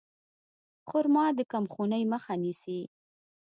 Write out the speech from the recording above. خرما د کمخونۍ مخه نیسي.